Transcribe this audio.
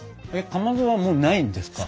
かまどはもうないんですか？